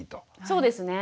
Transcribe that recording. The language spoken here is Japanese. そうですね。